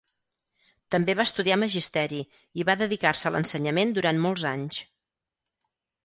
També va estudiar Magisteri i va dedicar-se a l’ensenyament durant molts d’anys.